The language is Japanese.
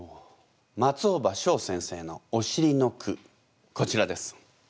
松尾葉翔先生の「おしり」の句こちらです。